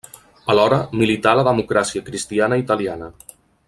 Alhora, milità a la Democràcia Cristiana Italiana.